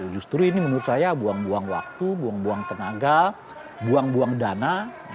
justru ini menurut saya buang buang waktu buang buang tenaga buang buang dana